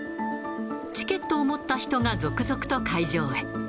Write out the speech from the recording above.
チケットを持った人が続々と会場へ。